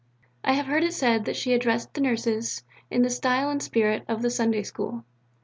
I have heard it said that she addressed the Nurses in the style and spirit of the Sunday School.